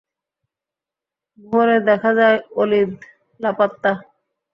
ভোরে দেখা যায় ওলীদ লাপাত্তা।